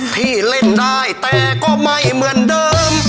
พี่เล่นได้แต่ก็ไม่เหมือนเดิม